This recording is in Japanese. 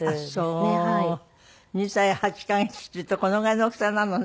２歳８カ月っていうとこのぐらいの大きさになるのね。